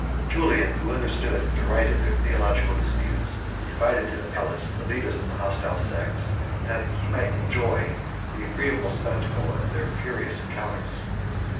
Julian, who understood and derided their theological disputes, invited to the palace the leaders of the hostile sects, that he might enjoy the agreeable spectacle of their furious encounters.